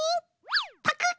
パクッ！